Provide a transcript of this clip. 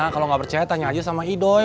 kalo gak percaya tanya aja sama idoi